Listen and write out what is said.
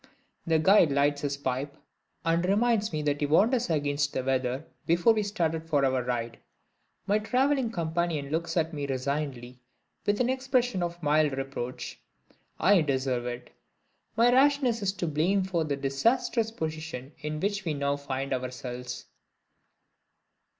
The guide lights his pipe, and reminds me that he warned us against the weather before we started for our ride. My traveling companion looks at me resignedly, with an expression of mild reproach. I deserve it. My rashness is to blame for the disastrous position in which we now find ourselves.